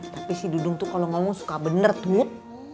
tapi si dudung tuh kalau ngomong suka bener tweet